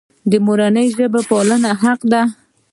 د مورنۍ ژبې پالنه حق دی.